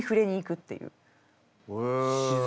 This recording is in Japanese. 自然？